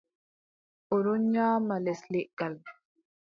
O ɗon nyaama les leggal.